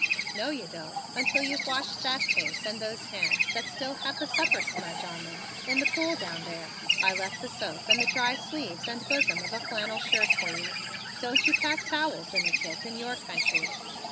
"No, you don't, until you've washed that face and those hands that still have the supper smudge on them, in the pool down there. I left the soap and the dry sleeves and bosom of a flannel shirt for you. Don't you pack towels in a kit in your country?"